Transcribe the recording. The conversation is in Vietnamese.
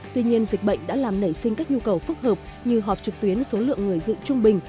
tuy nhiên dịch bệnh đã làm nảy sinh các nhu cầu phức hợp như họp trực tuyến số lượng người dự trung bình